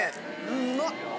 うまっ！